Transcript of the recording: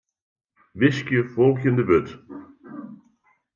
Wiskje folgjende wurd.